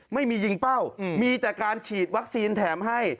ไม่มียิงเป้ามีแต่การฉีดวัคซีนแถมให้